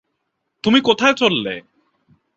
তুমি কোথায় চললে?